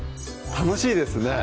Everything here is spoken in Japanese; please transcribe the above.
楽しいですね